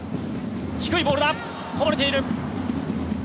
低いボールだ、こぼれている。